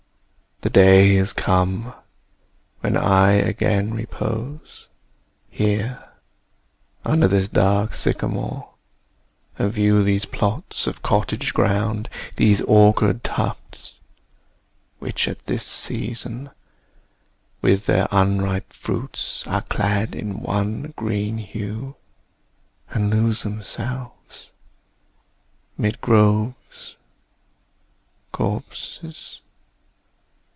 The day is come when I again repose Here, under this dark sycamore, and view These plots of cottage ground, these orchard tufts, Which at this season, with their unripe fruits, Are clad in one green hue, and lose themselves 'Mid groves and copses.